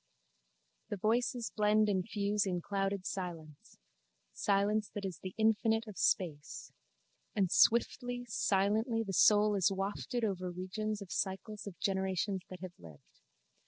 The voices blend and fuse in clouded silence: silence that is the infinite of space: and swiftly, silently the soul is wafted over regions of cycles of generations that have lived.